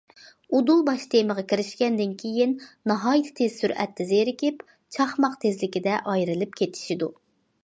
ئۇدۇل باش تېمىغا كىرىشكەندىن كېيىن، ناھايىتى تېز سۈرئەتتە زېرىكىپ، چاقماق تېزلىكىدە ئايرىلىپ كېتىشىدۇ.